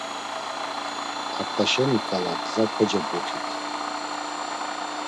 Art̆aşeni ǩale gzas kocebgutit.